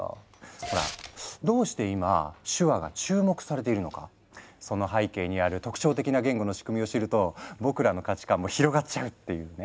ほらどうして今手話が注目されているのかその背景にある特徴的な言語の仕組みを知ると僕らの価値観も広がっちゃうっていうね。